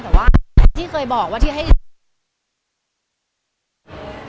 แต่ว่าที่เคยบอกว่าที่ให้